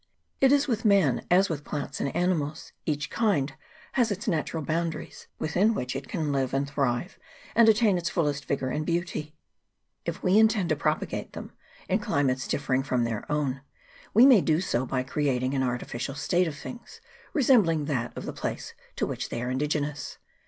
It is with man as with plants and animals ; each VOL. I. B 2 GENERAL REMARKS. [CHAP. I. kind has its natural boundaries, within which it can live, and thrive, and attain its fullest vigour and beauty If we intend to propagate them in climates differing from their own, we may do so by creating an artificial state of things, resembling that of the place to which they are indigenous.